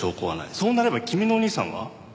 そうなれば君のお兄さんは？